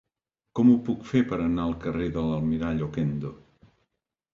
Com ho puc fer per anar al carrer de l'Almirall Okendo?